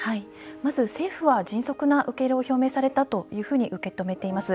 まず政府は迅速な受け入れを表明されたというふうに受け止めています。